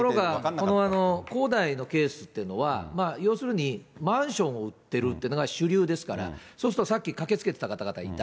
恒大のケースというのは、要するにマンションを売ってるっていうのが主流ですから、そうするとさっき駆けつけてた方がいた。